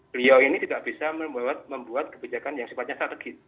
beliau ini tidak bisa membuat kebijakan yang sifatnya strategis